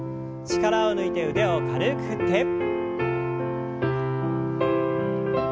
力を抜いて腕を軽く振って。